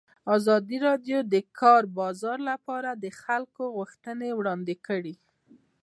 ازادي راډیو د د کار بازار لپاره د خلکو غوښتنې وړاندې کړي.